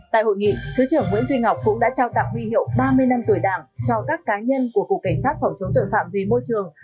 tại hội nghị thứ trưởng nguyễn duy ngọc cũng đã trao tặng huy hiệu ba mươi năm tuổi đảng cho các cá nhân của cục cảnh sát phòng chống tội phạm vì môi trường